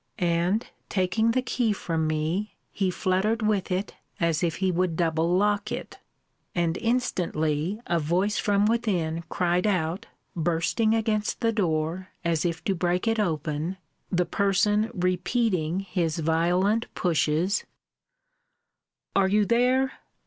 and taking the key from me, he fluttered with it, as if he would double lock it. And instantly a voice from within cried out, bursting against the door, as if to break it open, the person repeating his violent pushes, Are you there?